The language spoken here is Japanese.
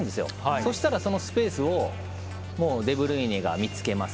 そしたら、そのスペースをデブルイネが見つけます。